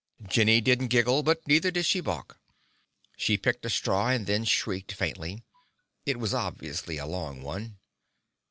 Jenny didn't giggle, but neither did she balk. She picked a straw, and then shrieked faintly. It was obviously a long one.